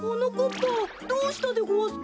ぱどうしたでごわすか？